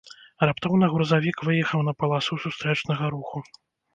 Раптоўна грузавік выехаў на паласу сустрэчнага руху.